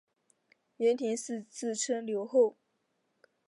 朱延嗣自称留后。